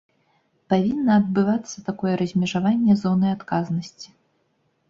Павінна адбывацца такое размежаванне зоны адказнасці.